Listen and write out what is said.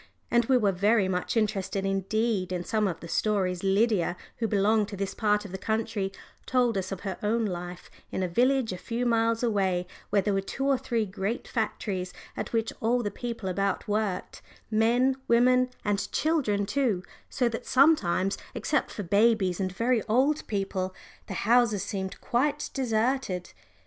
And we were very much interested indeed in some of the stories Lydia, who belonged to this part of the country, told us of her own life, in a village a few miles away, where there were two or three great factories, at which all the people about worked men, women, and children too, so that sometimes, except for babies and very old people, the houses seemed quite deserted.